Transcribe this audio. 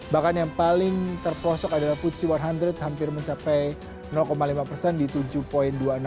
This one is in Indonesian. bahkan yang paling terprosok adalah fuji seratus hampir mencapai lima persen di tujuh dua ratus enam puluh empat